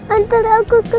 antar aku ke